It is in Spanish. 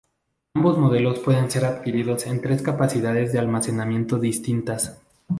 Ambos modelos pueden ser adquiridos en tres capacidades de almacenamiento distintas.